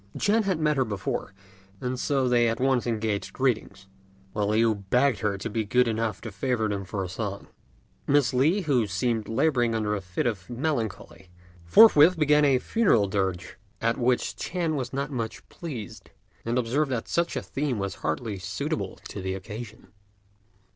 Ch'ên had met her before, and so they at once exchanged greetings, while Liu begged her to be good enough to favour them with a song. Miss Li, who seemed labouring under a fit of melancholy, forthwith began a funeral dirge; at which Ch'ên was not much pleased, and observed that such a theme was hardly suitable to the occasion.